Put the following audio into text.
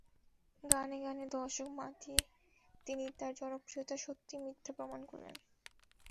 গানে গানে দর্শক মাতিয়ে তিনি তাঁর জনপ্রিয়তার সত্যি মিথ্যা প্রমাণ করলেন।